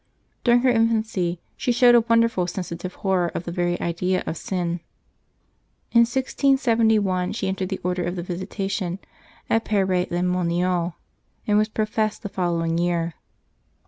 During her infancy she showed a wonderfully sensitive horror of the very idea of sin. In 1671 she entered the Order of the Visitation, at Paray le Monial, and was professed the following year.